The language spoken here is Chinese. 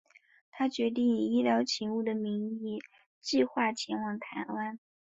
他决定以医疗勤务的名义计画前往台湾。